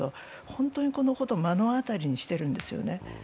本当にこのことを目の当たりにしてるんですよね。